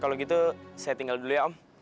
kalau gitu saya tinggal dulu ya om